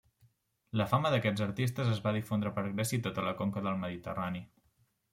La fama d'aquests artistes es va difondre per Grècia i tota la conca del Mediterrani.